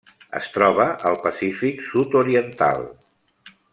Es troba al Pacífic sud-oriental: